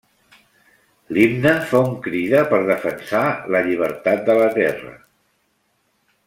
L'himne fa una crida per defensar la llibertat de la terra.